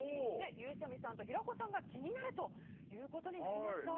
ゆうちゃみさんと平子さんが気になるということになりました。